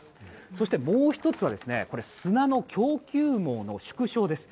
そして、もう１つは砂の供給網の縮小です。